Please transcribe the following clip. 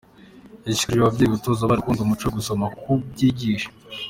Yashishikarije ababyeyi gutoza abana gukunda umuco wo gusoma kuko byigisha.